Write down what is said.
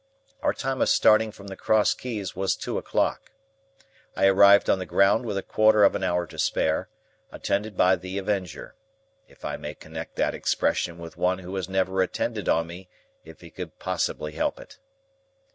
Our time of starting from the Cross Keys was two o'clock. I arrived on the ground with a quarter of an hour to spare, attended by the Avenger,—if I may connect that expression with one who never attended on me if he could possibly help it.